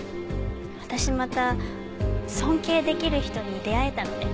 私また尊敬できる人に出会えたので。